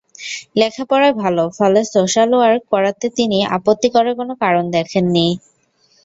লেখাপড়ায় ভালো, ফলে সোশ্যাল ওয়ার্ক করাতে তিনি আপত্তি করার কোনো কারণ দেখেননি।